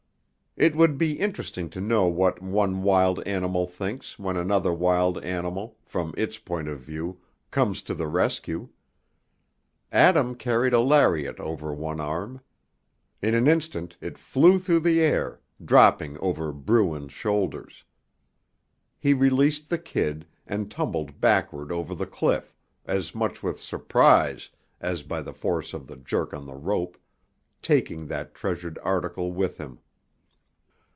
It would be interesting to know what one wild animal thinks when another wild animal, from its point of view, comes to the rescue. Adam carried a lariat over one arm. In an instant it flew through the air, dropping over Bruin's shoulders. He released the kid, and tumbled backward over the cliff, as much with surprise as by the force of the jerk on the rope, taking that treasured article with him.